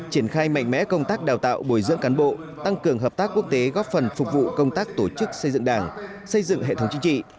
triển khai mạnh mẽ công tác đào tạo bồi dưỡng cán bộ tăng cường hợp tác quốc tế góp phần phục vụ công tác tổ chức xây dựng đảng xây dựng hệ thống chính trị